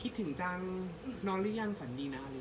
คิดถึงจ้างนอนรึยังฝันดีหน้านี้